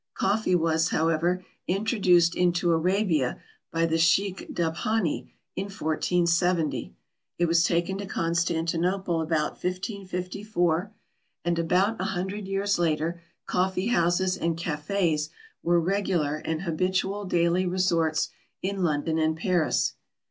Coffee was, however, introduced into Arabia by the Sheikh Dabhani in 1470. It was taken to Constantinople about 1554, and about a hundred years later coffee houses and cafés were regular and habitual daily resorts in London and Paris.